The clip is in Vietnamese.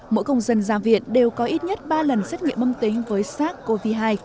mỗi công dân ra viện đều có ít nhất ba lần xét nghiệm âm tính với sars cov hai